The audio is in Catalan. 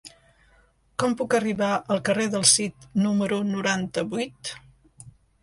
Com puc arribar al carrer del Cid número noranta-vuit?